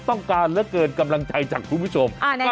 ต้องการเหลือเกินกำลังใจจากคุณผู้ชม